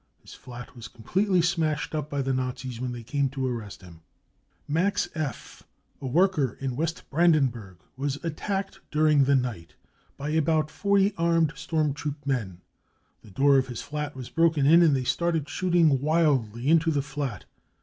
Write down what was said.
His flat was completely smashed up by the Nazis when they came to arrest him. 5 '" Max F., a worker in W., Brandenburg, was attacked during the night by about 40 armed storm troop men. The door of his flat was broken in, and they started shooting wildly into the flat.